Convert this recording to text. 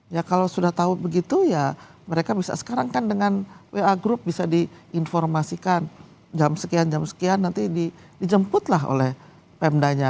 ya kalau sudah tahu begitu ya mereka bisa sekarang kan dengan wa group bisa diinformasikan jam sekian jam sekian nanti dijemputlah oleh pemdanya